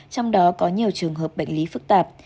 trong đó có nhiều trường hợp bệnh lý phức tạp